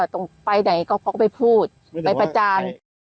ตรงไปไหนก็เขาก็ไปพูดไปประจาน